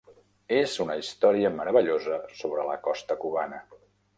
És una història meravellosa sobre la costa cubana.